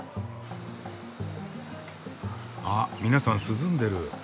あ皆さん涼んでる。